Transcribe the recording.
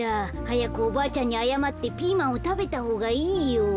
はやくおばあちゃんにあやまってピーマンをたべたほうがいいよ。